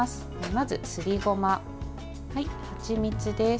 まず、すりごま、はちみつです。